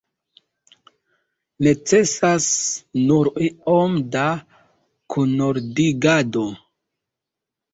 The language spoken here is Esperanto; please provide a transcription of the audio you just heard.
Necesas nur iom da kunordigado.